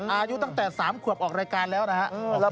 อายุตั้งแต่๓ขวบออกรายการแล้วนะครับ